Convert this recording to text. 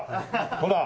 ほら。